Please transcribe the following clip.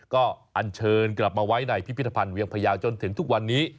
ก็อันเชิญกลับมาไว้ในพิพิธภัณฑ์เวียงพยาวจนถึงทุกวันนี้